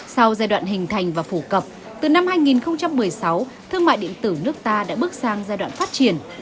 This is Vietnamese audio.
sau giai đoạn hình thành và phổ cập từ năm hai nghìn một mươi sáu thương mại điện tử nước ta đã bước sang giai đoạn phát triển